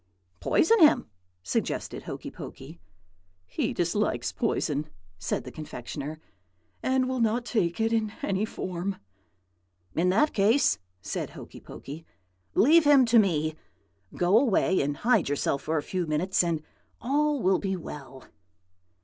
"'Poison him,' suggested Hokey Pokey. "'He dislikes poison,' said the confectioner, 'and will not take it in any form.' "'In that case,' said Hokey Pokey, 'leave him to me. Go away, and hide yourself for a few minutes, and all will be well.'